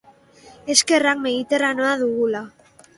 Eskerrak Mediterraneoa dugula.